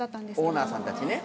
オーナーさんたちね。